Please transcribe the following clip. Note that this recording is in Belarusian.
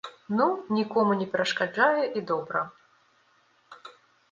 Ну, нікому не перашкаджае і добра.